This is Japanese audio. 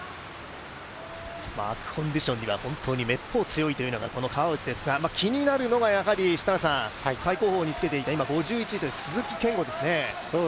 悪コンディションにはめっぽう強いというのが川内ですが、気になるのが最後方につけていた、今５１位という鈴木健吾ですね。